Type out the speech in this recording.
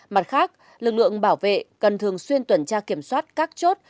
mặt khác lực lượng bảo vệ cần thường xuyên tuần tra kiểm soát các chốt